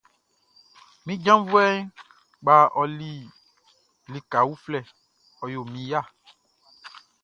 Mi janvuɛ kpaʼn ɔli lika uflɛ, ɔ yo min ya.